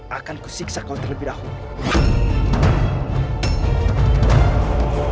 akanku habisi kau sekarang juga